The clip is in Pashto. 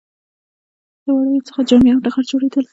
د وړیو څخه جامې او ټغر جوړیدل